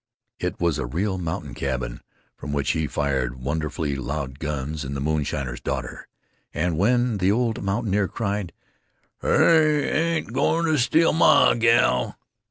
It was a real mountain cabin from which he fired wonderfully loud guns in "The Moonshiner's Daughter"; and when the old mountaineer cried, "They ain't going to steal mah gal!"